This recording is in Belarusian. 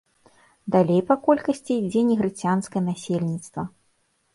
Далей па колькасці ідзе негрыцянскае насельніцтва.